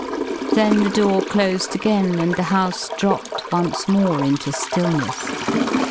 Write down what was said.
Then the door closed again, and the house dropped once more into stillness.